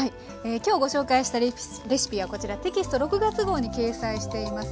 今日ご紹介したレシピはこちらテキスト６月号に掲載しています。